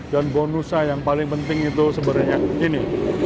dan bonusnya yang paling penting itu sebenarnya ini